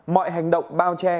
mọi hành động bao che